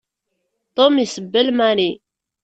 Tom isebbel Mary.